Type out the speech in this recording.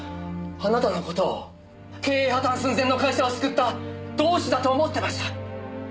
あなたの事を経営破たん寸前の会社を救った同志だと思ってました。